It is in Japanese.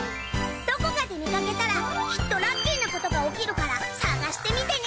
どこかで見かけたらきっとラッキーなことが起きるから探してみてね！